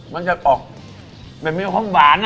มันจะออกแบบต้องบาน